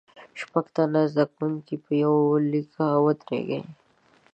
شپږ تنه زده کوونکي په یوه لیکه ودریږئ.